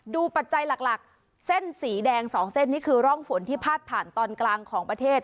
ปัจจัยหลักเส้นสีแดง๒เส้นนี่คือร่องฝนที่พาดผ่านตอนกลางของประเทศ